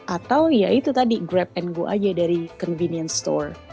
atau ya itu tadi grab and go aja dari convenience store